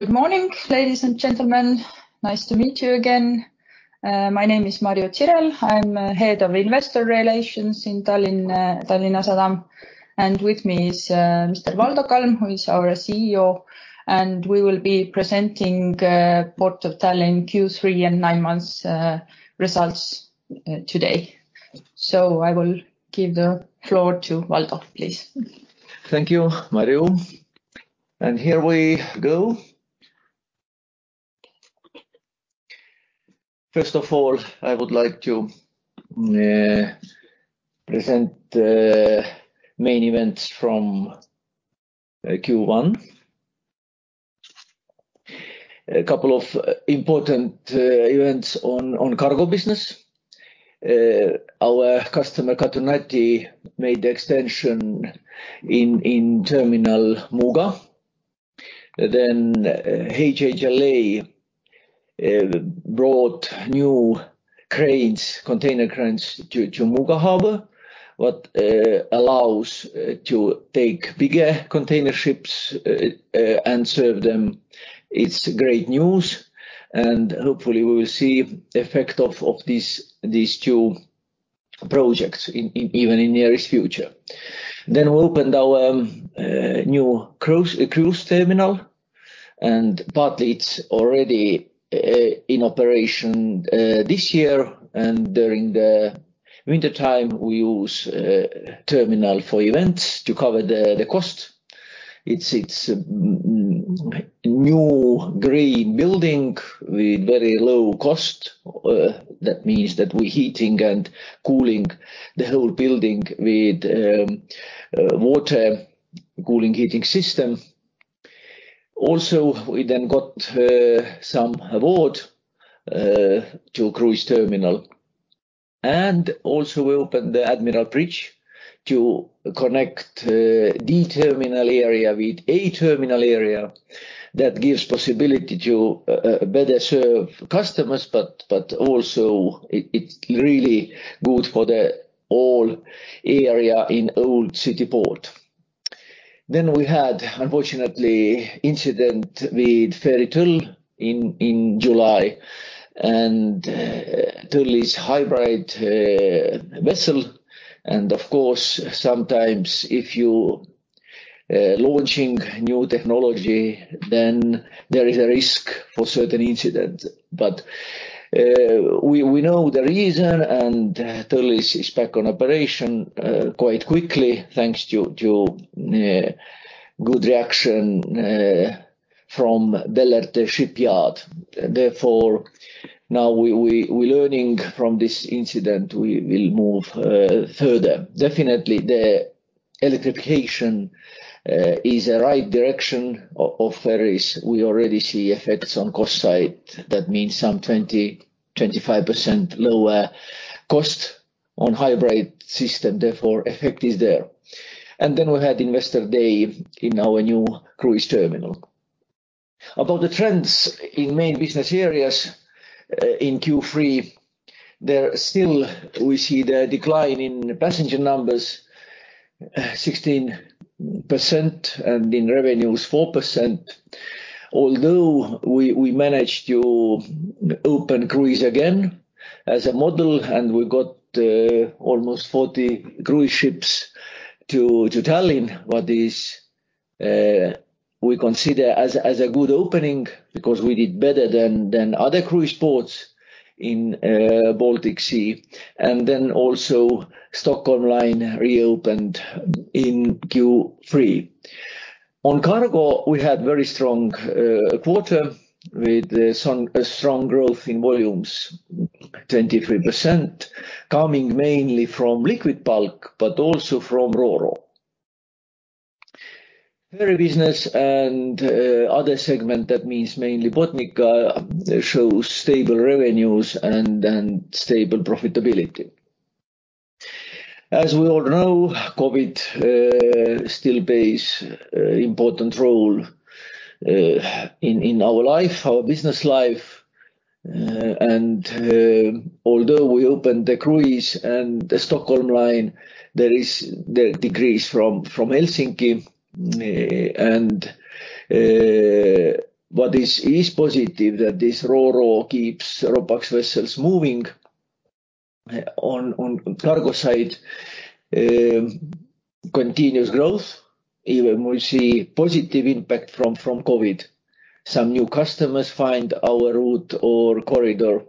Good morning, ladies and gentlemen. Nice to meet you again. My name is Marju Zirel. I'm Head of Investor Relations in Tallinn, Tallinna Sadam. With me is Mr. Valdo Kalm, who is our CEO, and we will be presenting Port of Tallinn Q3 and nine months results today. I will give the floor to Valdo, please. Thank you, Marju. Here we go. First of all, I would like to present the main events from Q1. A couple of important events on cargo business. Our customer, Katoen Natie, made the extension in terminal Muuga. Then HHLA brought new cranes, container cranes to Muuga Harbour, which allows to take bigger container ships and serve them. It's great news, and hopefully we will see effect of these two projects in even nearest future. We opened our new cruise terminal, but it's already in operation this year. During the wintertime, we use terminal for events to cover the cost. It's new green building with very low cost. That means that we're heating and cooling the whole building with water cooling heating system. We then got some award to cruise terminal. We opened the Admiral Bridge to connect D terminal area with A terminal area that gives possibility to better serve customers, but also it's really good for the all area in Old City Harbour. We had, unfortunately, incident with ferry Tõll in July, and Tõll is hybrid vessel. Of course, sometimes if you launching new technology, then there is a risk for certain incidents. We know the reason, and Tõll is back on operation quite quickly, thanks to good reaction from the local shipyard. Therefore, now we learning from this incident, we will move further. Definitely the electrification is a right direction of ferries. We already see effects on cost side. That means some 20%-25% lower cost on hybrid system, therefore effect is there. Then we had Investor Day in our new cruise terminal. About the trends in main business areas, in Q3, there still we see the decline in passenger numbers, 16%, and in revenues, 4%. Although we managed to open cruise again as a model, and we got almost 40 cruise ships to Tallinn, what is we consider as a good opening because we did better than other cruise ports in Baltic Sea. Then also Stockholm line reopened in Q3. On cargo, we had very strong quarter with some strong growth in volumes, 23%, coming mainly from liquid bulk, but also from Ro-Ro. Ferry business and other segment, that means mainly Botnica, shows stable revenues and stable profitability. As we all know, COVID still plays important role in our life, our business life. Although we opened the cruise and the Stockholm line, there is the decrease from Helsinki. What is positive that this Ro-Ro keeps RoPax vessels moving. On cargo side, continuous growth. Even we see positive impact from COVID. Some new customers find our route or corridor.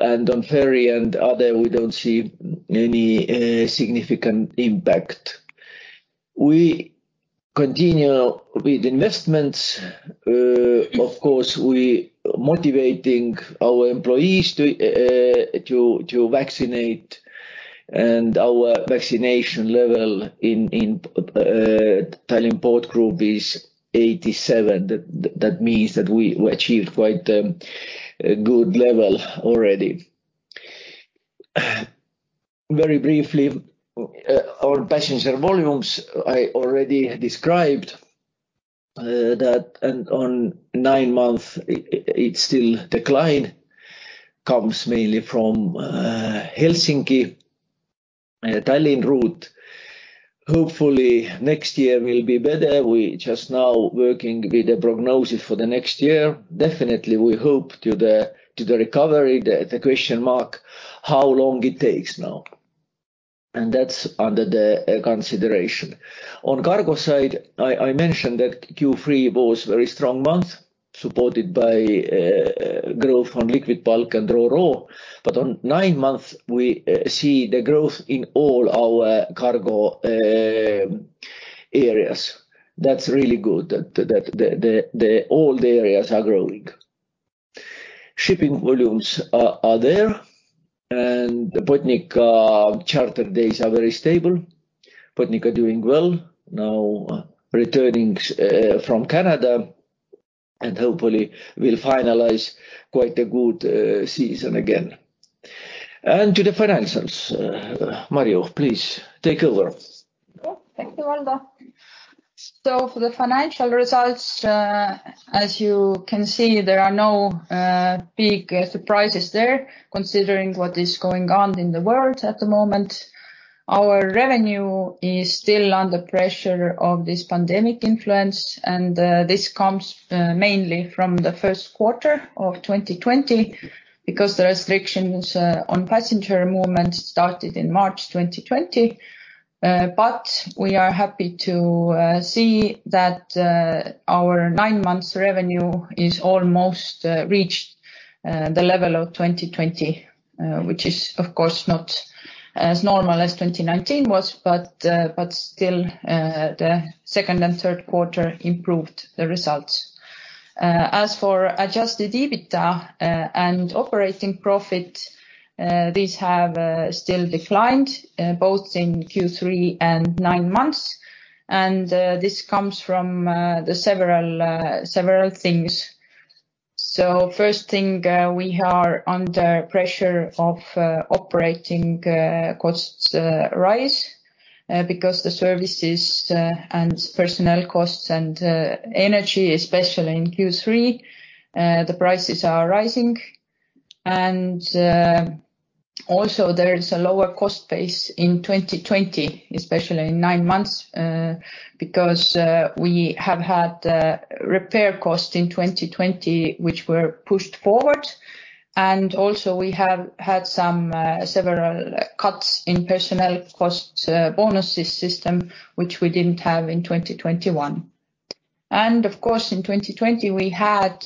On ferry and other, we don't see any significant impact. We continue with investments. Of course, we motivating our employees to vaccinate. Our vaccination level in Port of Tallinn group is 87%. That means that we achieved quite a good level already. Very briefly, our passenger volumes, I already described, that and on nine months it's still decline, comes mainly from Helsinki-Tallinn route. Hopefully next year will be better. We just now working with the prognosis for the next year. Definitely we hope to the recovery. The question mark, how long it takes now? That's under the consideration. On cargo side, I mentioned that Q3 was very strong month supported by growth on liquid bulk and Ro-Ro, but on nine months we see the growth in all our cargo areas. That's really good that all the areas are growing. Shipping volumes are there, and the Botnica charter days are very stable. Botnica are doing well, now returning from Canada, and hopefully will finalize quite a good season again. To the financials. Marju, please take over. Oh, thank you Valdo. For the financial results, as you can see there are no big surprises there considering what is going on in the world at the moment. Our revenue is still under pressure of this pandemic influence and this comes mainly from the first quarter of 2020 because the restrictions on passenger movement started in March 2020. We are happy to see that our nine months revenue is almost reached the level of 2020, which is of course not as normal as 2019 was but still the second and third quarter improved the results. As for adjusted EBITDA and operating profit, these have still declined both in Q3 and nine months and this comes from the several things. First thing, we are under pressure of operating costs rise because the services and personnel costs and energy especially in Q3 the prices are rising. Also there is a lower cost base in 2020, especially in nine months, because we have had repair cost in 2020 which were pushed forward. Also we have had some several cuts in personnel cost bonuses system which we didn't have in 2021. Of course, in 2020 we had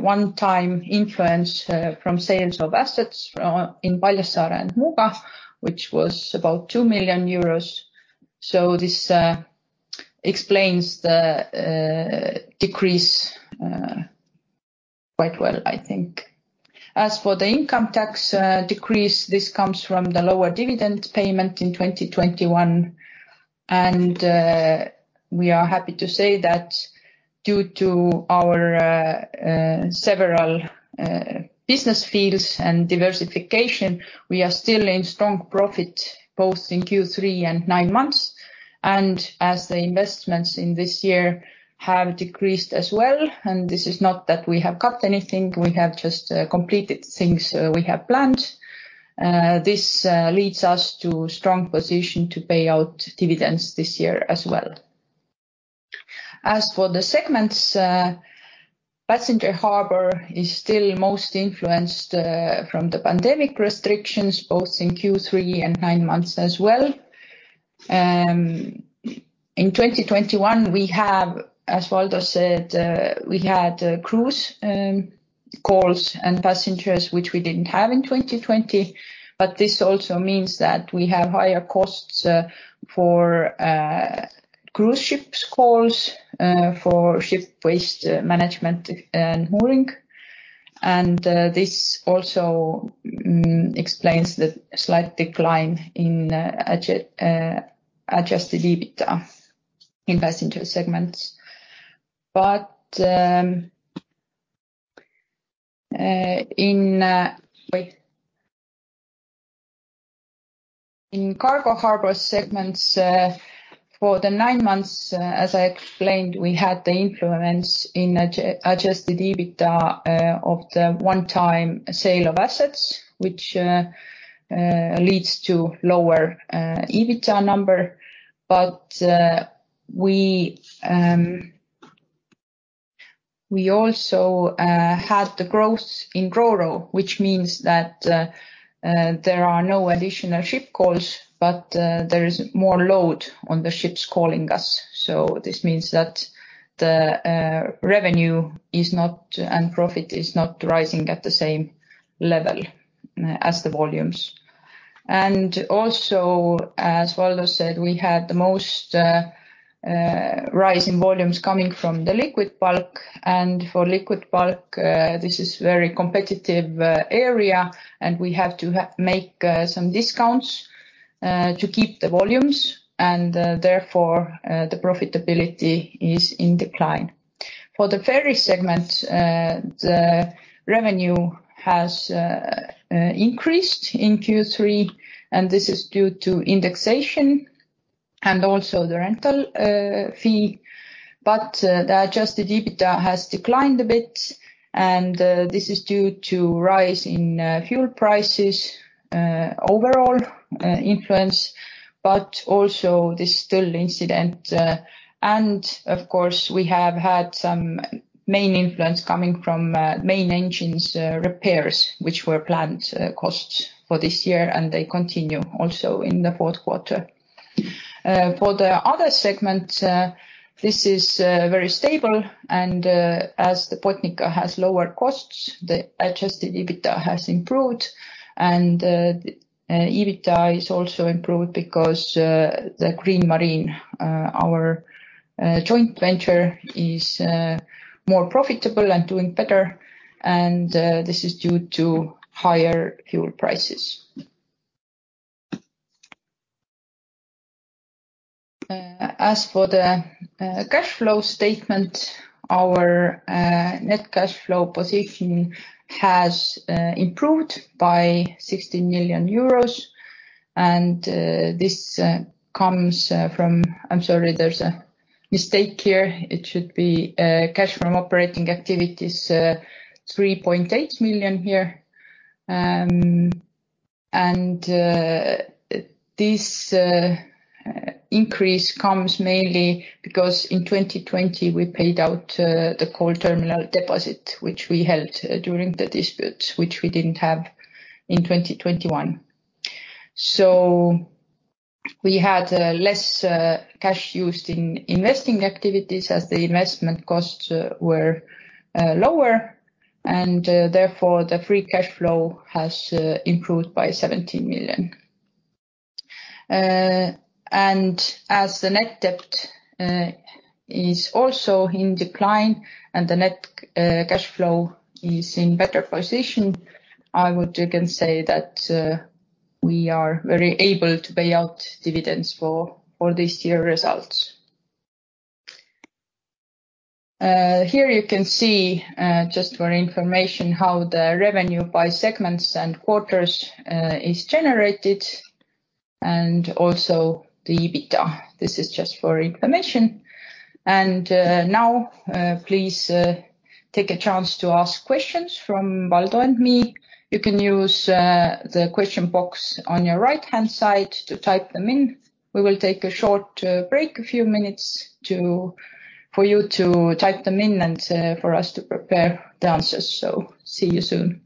one time influence from sales of assets in Paljassaare and Muuga which was about 2 million euros. This explains the decrease quite well, I think. As for the income tax decrease, this comes from the lower dividend payment in 2021. We are happy to say that due to our several business fields and diversification, we are still in strong profit both in Q3 and nine months. As the investments in this year have decreased as well, and this is not that we have cut anything, we have just completed things we have planned. This leads us to strong position to pay out dividends this year as well. As for the segments, passenger harbor is still most influenced from the pandemic restrictions both in Q3 and nine months as well. In 2021, as Valdo said, we had cruise calls and passengers which we didn't have in 2020. This also means that we have higher costs for cruise ships calls for ship waste management and mooring. This also explains the slight decline in adjusted EBITDA in passenger segments. In cargo harbor segments, for the nine months, as I explained we had the influence in adjusted EBITDA of the one-time sale of assets which leads to lower EBITDA number. We also had the growth in Ro-Ro which means that there are no additional ship calls, but there is more load on the ships calling us. This means that the revenue is not and profit is not rising at the same level as the volumes. As Valdo said, we had the most rise in volumes coming from the liquid bulk. For liquid bulk, this is very competitive area and we have to make some discounts to keep the volumes and therefore the profitability is in decline. For the ferry segment, the revenue has increased in Q3, and this is due to indexation and also the rental fee. The adjusted EBITDA has declined a bit, and this is due to the rise in fuel prices and overall inflation, but also this Tõll incident. Of course, we have had some main influence coming from main engines repairs, which were planned costs for this year, and they continue also in the fourth quarter. For the other segment, this is very stable and, as the Botnica has lower costs, the adjusted EBITDA has improved and, the EBITDA is also improved because, the Green Marine, our joint venture is more profitable and doing better and, this is due to higher fuel prices. As for the cash flow statement, our net cash flow position has improved by 60 million euros and, this comes from. I'm sorry, there's a mistake here. It should be, cash from operating activities, 3.8 million here. And, this increase comes mainly because in 2020 we paid out, the coal terminal deposit, which we held during the dispute, which we didn't have in 2021. We had less cash used in investing activities as the investment costs were lower and therefore the free cash flow has improved by 70 million. As the net debt is also in decline and the net cash flow is in better position, I would again say that we are very able to pay out dividends for this year results. Here you can see just for information how the revenue by segments and quarters is generated and also the EBITDA. This is just for information. Now please take a chance to ask questions from Valdo and me. You can use the question box on your right-hand side to type them in. We will take a short break, a few minutes to. For you to type them in and, for us to prepare the answers. See you soon.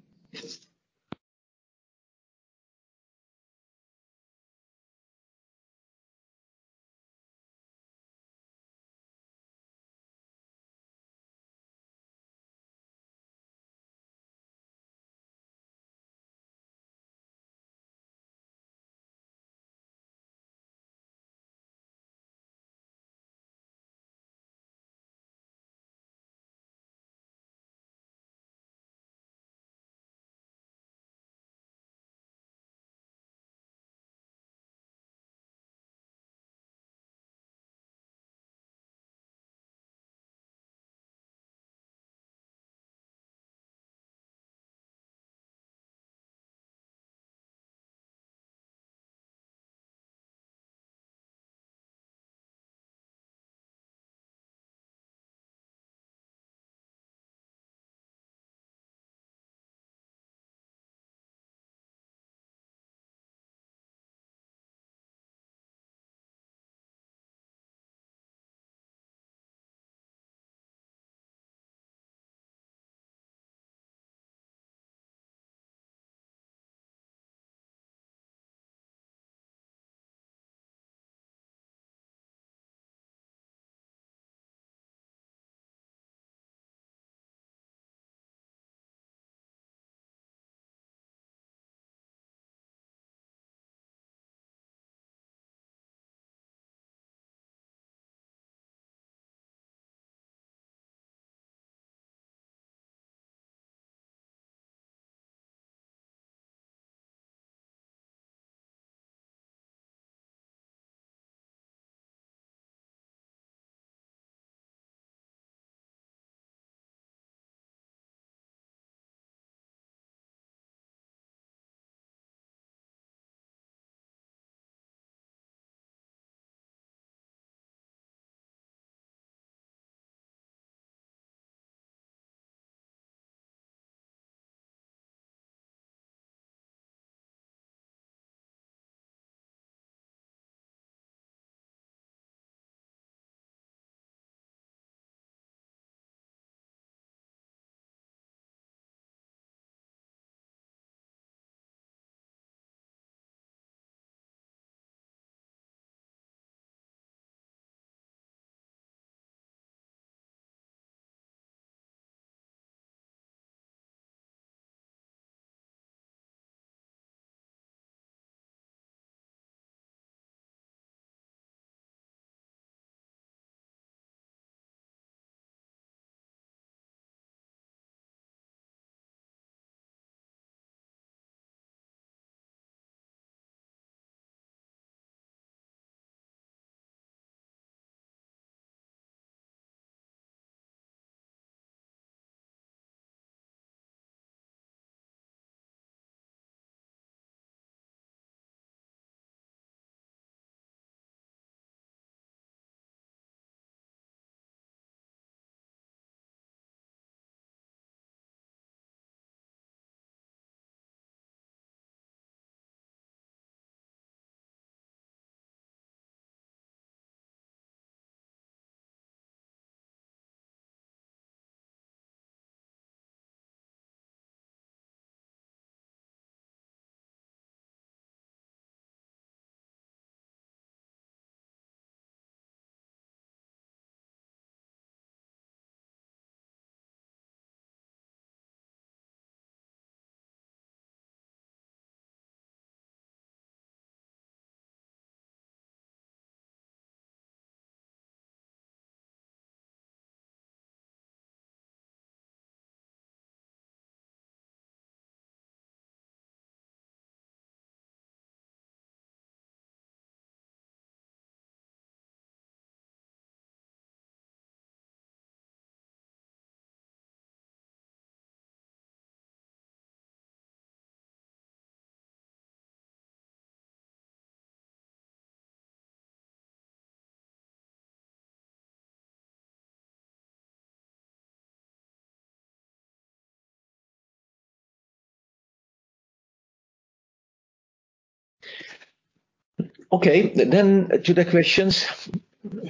Okay, to the questions.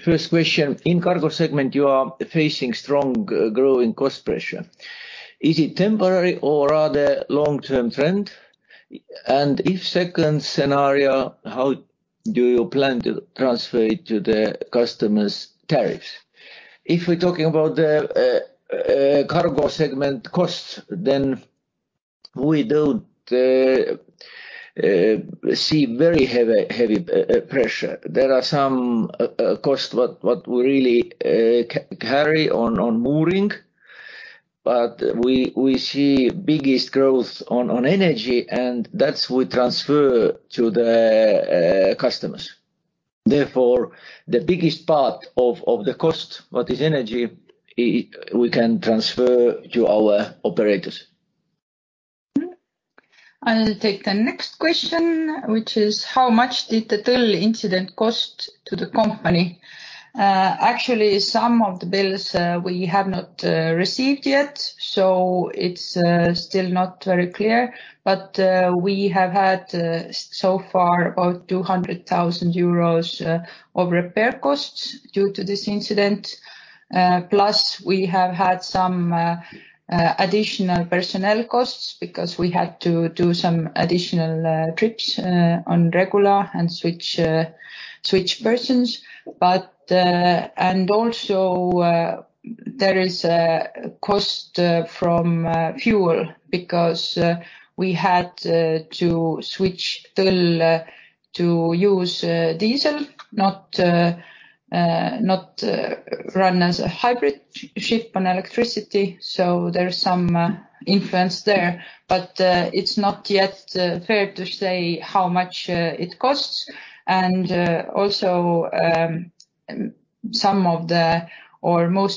First question, in cargo segment, you are facing strong growing cost pressure. Is it temporary or rather long-term trend? And if second scenario, how do you plan to transfer it to the customers' tariffs? If we're talking about the cargo segment costs, then we don't see very heavy pressure. There are some costs that we really carry on mooring, but we see biggest growth on energy, and that we transfer to the customers. Therefore, the biggest part of the costs that is energy, we can transfer to our operators. I'll take the next question, which is how much did the Tõll incident cost to the company? Actually, some of the bills we have not received yet, so it's still not very clear. We have had so far about 200,000 euros of repair costs due to this incident. Plus, we have had some additional personnel costs because we had to do some additional trips on Regula and switch persons. And also, there is a cost from fuel because we had to switch Tõll to use diesel, not run as a hybrid ship on electricity. There's some influence there, but it's not yet fair to say how much it costs. Most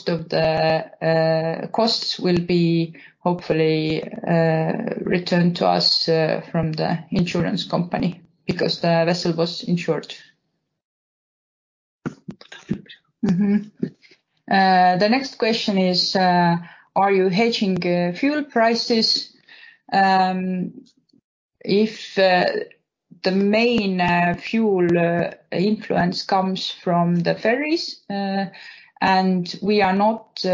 of the costs will be hopefully returned to us from the insurance company because the vessel was insured. The next question is, are you hedging fuel prices? If the main fuel influence comes from the ferries, and we are not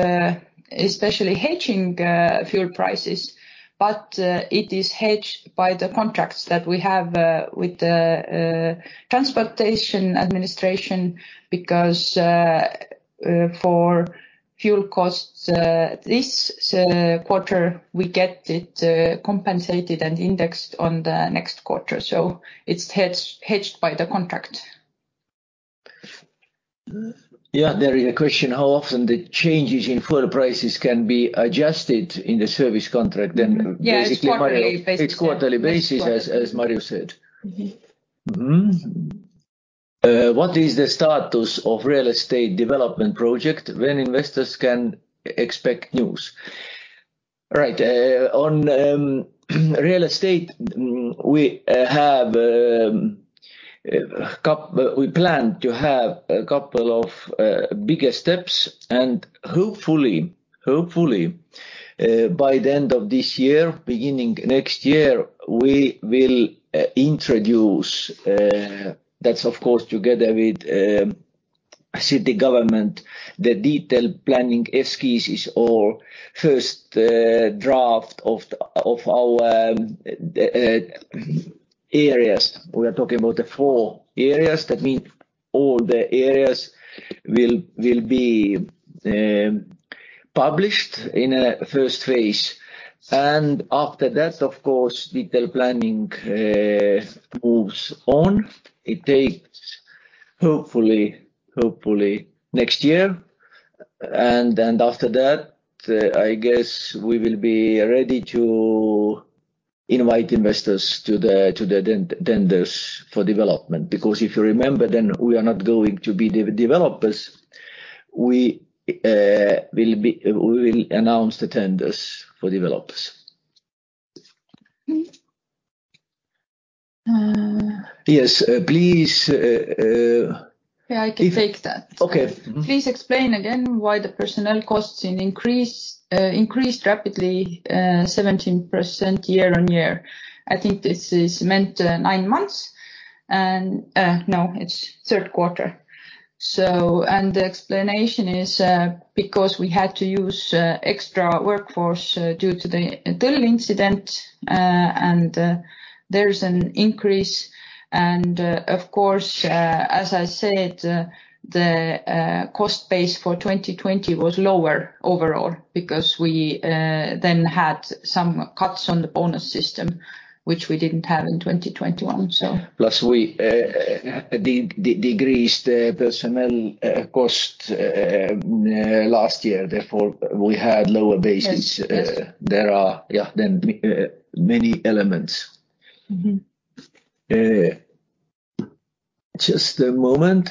especially hedging fuel prices, but it is hedged by the contracts that we have with the Transport Administration because for fuel costs, this quarter we get it compensated and indexed on the next quarter. So it's hedged by the contract. Yeah. There is a question, how often the changes in fuel prices can be adjusted in the service contract then. Yeah, it's quarterly basis. Basically quarterly. It's quarterly basis as Marju said. Mm-hmm. What is the status of real estate development project? When can investors expect news? Right. On real estate, we plan to have a couple of bigger steps and hopefully by the end of this year, beginning next year, we will introduce that of course together with city government, the detailed planning sketches or first draft of our areas. We are talking about the four areas. That means all the areas will be published in a first phase. After that, of course, detailed planning moves on. It takes hopefully next year. After that, I guess we will be ready to invite investors to the tenders for development. Because if you remember, then we are not going to be developers. We will announce the tenders for developers. Mm-hmm. Yes, please. Yeah, I can take that. Okay. Please explain again why the personnel costs increased rapidly 17% year-on-year. I think this is meant nine months and no, it's third quarter. The explanation is because we had to use extra workforce due to the Tõll incident, and there's an increase, and of course, as I said, the cost base for 2020 was lower overall because we then had some cuts on the bonus system, which we didn't have in 2021, so. We decreased the personnel cost last year, therefore we had lower bases. Yes. Yes. There are, yeah, many elements. Mm-hmm. Just a moment.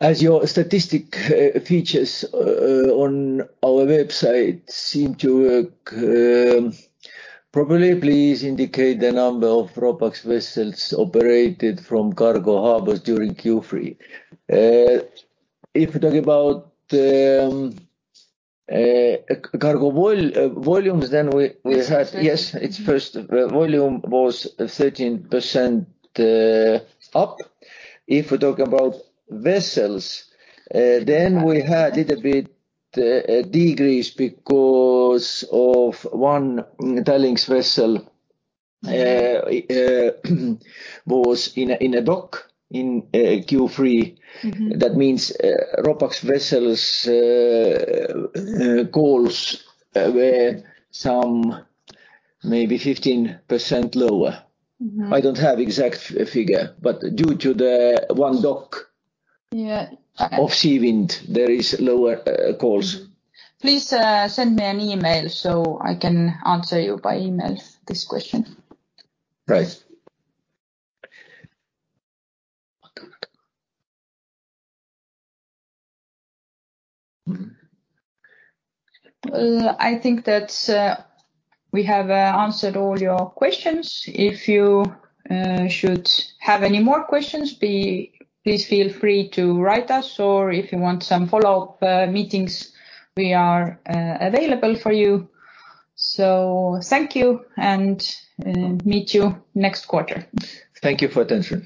As the statistics featured on our website seem to work properly, please indicate the number of RoPax vessels operated from cargo harbors during Q3. If we talk about cargo volumes, then we had- First quarter. Yes, it's first. Volume was 13% up. If we talk about vessels, then we had little bit decrease because of one Tallink's vessel was in a dock in Q3. Mm-hmm. That means, RoPax vessels' calls were some maybe 15% lower. Mm-hmm. I don't have exact figure, but due to the one dock. Yeah... of Sea Wind, there is lower calls. Please, send me an email so I can answer you by email this question. Right. Well, I think that we have answered all your questions. If you should have any more questions, please feel free to write us, or if you want some follow-up meetings, we are available for you. Thank you, and meet you next quarter. Thank you for attention.